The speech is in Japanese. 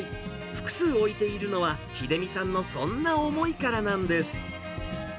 複数置いているのは、秀巳さんのそんな思いからなんです。